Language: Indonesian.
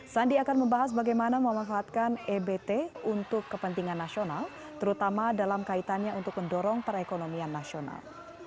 sandi akan membahas bagaimana memanfaatkan ebt untuk kepentingan nasional terutama dalam kaitannya untuk mendorong perekonomian nasional